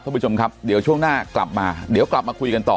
ท่านผู้ชมครับเดี๋ยวช่วงหน้ากลับมาเดี๋ยวกลับมาคุยกันต่อ